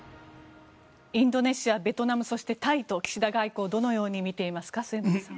インドネシア、ベトナムそしてタイと岸田外交どのように見ていますか。